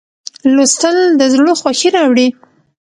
لوستل د زړه خوښي راوړي.